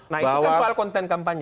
nah itu kan soal konten kampanye